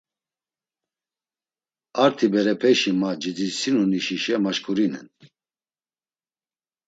Arti berepeşi ma ceditsinu nişişe maşǩurinen.